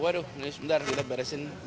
waduh sebentar kita beresin